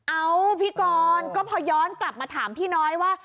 เอ้าพี่กรก็พอย้อนกลับมาถามพี่น้อยว่า